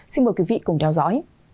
xin mời quý vị cùng theo dõi